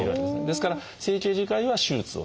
ですから整形外科医は手術をする。